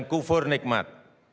kita harus bersyukur nikmat